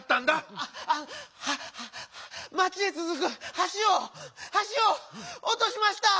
はっはっはっ町へつづくはしを「はしをおとしました」！